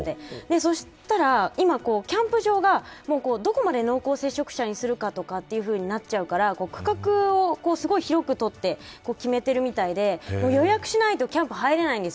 そしたら今、キャンプ場がどこまで濃厚接触者にするかとかになっちゃうから区画をすごい広く取って決めているみたいで予約しないとキャンプに入れないんです。